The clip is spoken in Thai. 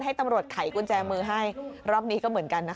ให้ตำรวจไขกุญแจมือให้รอบนี้ก็เหมือนกันนะคะ